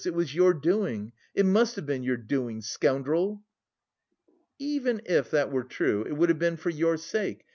It was your doing.... It must have been your doing.... Scoundrel!" "Even if that were true, it would have been for your sake...